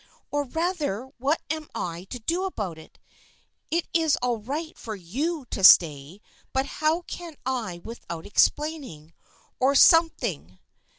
" Or rather what am I to do about it ? It is all right for you to sta}', but how can I without explaining, or some thing